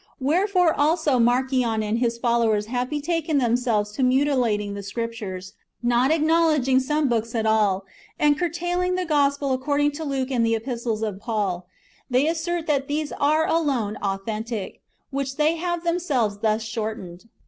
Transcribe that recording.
Wherefore also Marcion and his followers have betaken themselves to muti lating the Scriptures, not acknowledging some books at all ; and, curtailing the Gospel according to Luke and the epistles of Paul, they assert that these are alone authentic, which they have themselves thus shortened.